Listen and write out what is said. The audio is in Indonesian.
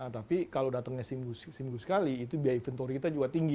tapi kalau datangnya seminggu sekali itu biaya inventory kita juga tinggi